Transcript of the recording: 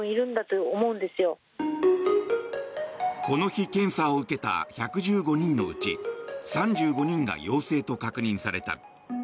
この日検査を受けた１１５人のうち３５人が陽性と確認された。